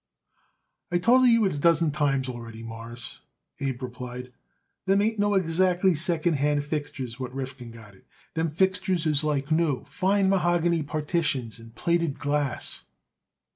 "I told it you a dozen times already, Mawruss," Abe replied, "them ain't no exactly second hand fixtures what Rifkin got it. Them fixtures is like new fine mahogany partitions and plated glass."